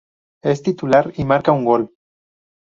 Es titular y marca un gol.